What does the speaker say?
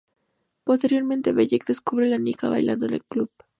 Posteriormente Bellick descubre a Nika bailando en un club.